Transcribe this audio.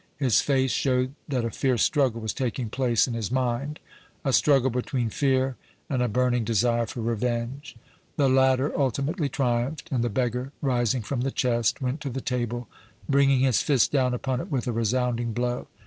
His face showed that a fierce struggle was taking place in his mind, a struggle between fear and a burning desire for revenge. The latter ultimately triumphed, and the beggar, rising from the chest, went to the table, bringing his fist down upon it with a resounding blow.